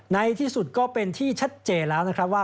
ในที่สุดก็เป็นที่ชัดเจนแล้วนะครับว่า